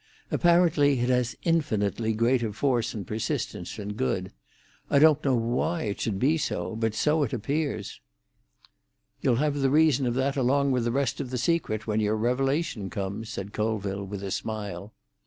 Apparently it has infinitely greater force and persistence than good. I don't know why it should be so. But so it appears." "You'll have the reason of that along with the rest of the secret when your revelation comes," said Colville, with a smile.